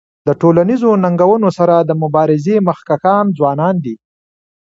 د ټولنیزو ننګونو سره د مبارزې مخکښان ځوانان دي.